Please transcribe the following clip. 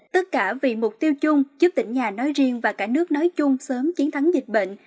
tất cả vì mục tiêu chung giúp tỉnh nhà nói riêng và cả nước nói chung sớm chiến thắng dịch bệnh